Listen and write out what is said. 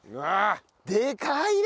でかいな！